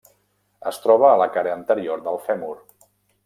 Es troba a la cara anterior del fèmur.